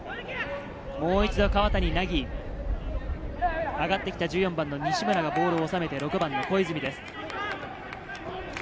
もう一度、川谷凪。上がってきた、１４番の西村がボールを収めて６番の小泉です。